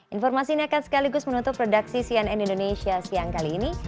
informasi ini akan sekaligus menutup produksi cnn indonesia siang kali ini